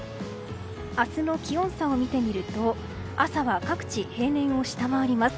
明日の気温差を見てみると朝は各地、平年を下回ります。